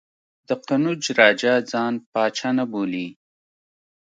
د قنوج راجا ځان پاچا نه بولي.